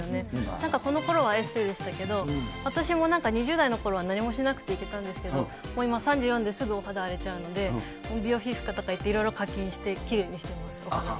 なんかこのころはエステでしたけど、私もなんか２０代のころは何もしなくていけたんですけど、もう今、３４で、すぐお肌荒れちゃうので、美容皮膚科とか行っていろいろ課金して、きれいにしてます、お肌は。